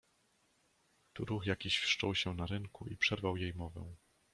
"Tu ruch jakiś wszczął się na rynku i przerwał jej mowę."